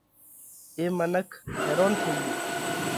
اي منک حيرونَ ٿي ڳيو